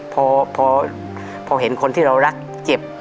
พอเห็นคนที่เรารักเจ็บ